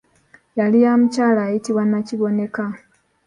Yali ya mukyala ayitibwa Nakiboneka.